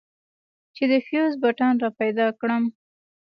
چې د فيوز بټن راپيدا کړم.